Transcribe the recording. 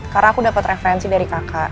karena aku dapat referensi dari kakak